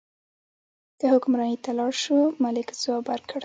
که حکمرانۍ ته لاړ شو، ملک ځواب ورکړ.